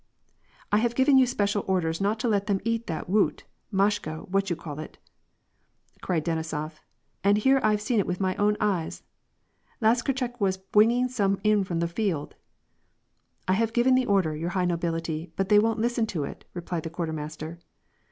'' I have given you special orders not to let them eat that woot, Mashka's what you call it," cried Denisof. " And here I've seen it with my own eyes ; Lazarchuk was bwinging some in fwom the field." " I have given the order, your high nobility, but they won't listen to it," replied the quartermaster.